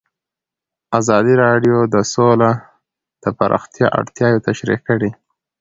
ازادي راډیو د سوله د پراختیا اړتیاوې تشریح کړي.